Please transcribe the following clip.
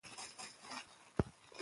توت د ستوني لپاره ښه دي.